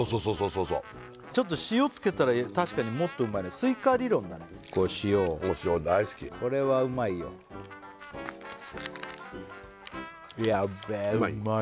そうそうちょっと塩つけたら確かにもっとうまいねスイカ理論だね塩を藻塩大好きこれはうまいようまい？